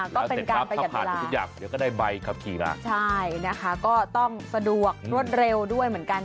ก็เป็นการประหยัดผ่านทุกอย่างเดี๋ยวก็ได้ใบขับขี่มาใช่นะคะก็ต้องสะดวกรวดเร็วด้วยเหมือนกัน